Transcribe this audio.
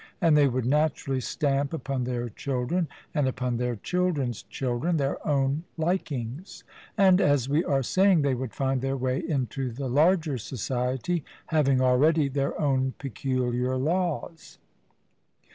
And they would naturally stamp upon their children, and upon their children's children, their own likings; and, as we are saying, they would find their way into the larger society, having already their own peculiar laws.